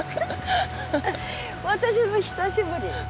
私も久しぶり。